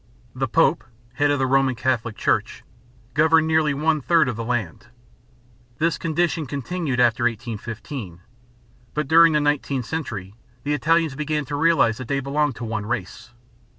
The Pope, head of the Roman Catholic Church, governed nearly one third of the land. This condition continued after 1815. But during the nineteenth century the Italians began to realize that they belonged to one race.